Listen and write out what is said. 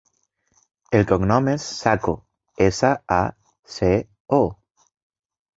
El cognom és Saco: essa, a, ce, o.